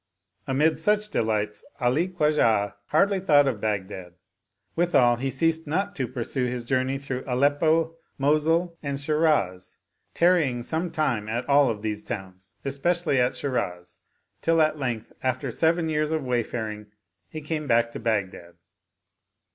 Amid such delights Ali Khwajah hardly thought of Bagh dad; withal he ceased not to pursue his journey through Aleppo, Mosul, and Shiraz, tarrying some time at all of these towns, especially at Shiraz, till at length after seven years of wayfaring he came back to Baghdad.